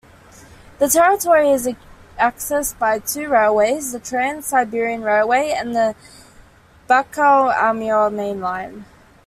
The territory is accessed by two railways: the Trans-Siberian Railway and the Baikal-Amur Mainline.